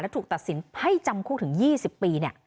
ถูกตัดสินให้จำคุกถึง๒๐ปี